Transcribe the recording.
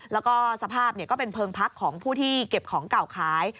แล้วก็สภาพก็เป็นเพลิงพักของผู้ที่เก็บของเก่าขาย